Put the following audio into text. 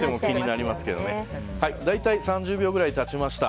大体３０秒くらい経ちました。